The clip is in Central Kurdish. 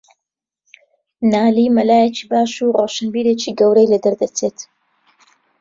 نالی مەلایەکی باش و ڕۆشنبیرێکی گەورەی لێدەردەچێت